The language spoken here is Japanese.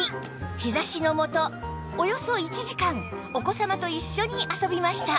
日差しの下およそ１時間お子様と一緒に遊びました